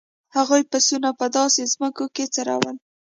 هغوی پسونه په داسې ځمکو کې څرول.